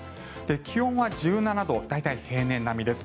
気温は１７度大体、平年並みです。